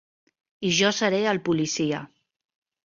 I jo seré el policia.